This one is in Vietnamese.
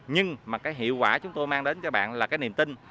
nhưng mà cái hiệu quả chúng tôi mang đến cho bạn là cái niềm tin